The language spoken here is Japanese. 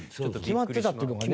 決まってたっていうのがね。